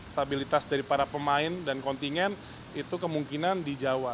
stabilitas dari para pemain dan kontingen itu kemungkinan di jawa